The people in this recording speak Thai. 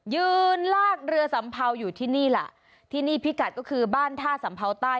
ยืนลากเรือสัมเภาอยู่ที่นี่ล่ะที่นี่พิกัดก็คือบ้านท่าสัมเภาใต้